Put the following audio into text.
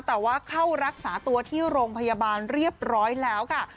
แต่ว่าเข้ารักษาตัวที่โรงพยาบาลเรียบร้อยแล้วค่ะ